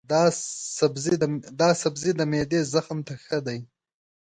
دا سبزی د معدې زخم ته ښه دی.